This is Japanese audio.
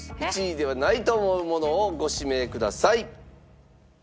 １位ではないと思うものをご指名ください。